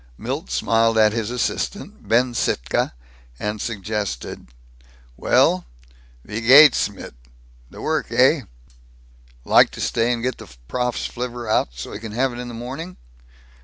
Milt smiled at his assistant, Ben Sittka, and suggested, "Well, wie geht 's mit the work, eh? Like to stay and get the prof's flivver out, so he can have it in the morning?"